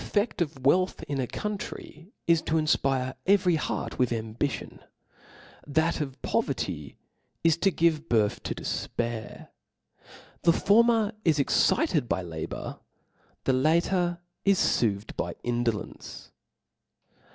3<^7 The tScSt of wcilth in a country is to infpire Book every heart with ambition i that of poverty is to c^p^u give birth to defpair. The former is excited by la and 4, bour, the latter is foothed by indolence.